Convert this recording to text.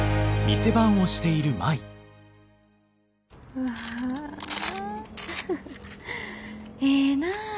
うわええなあ。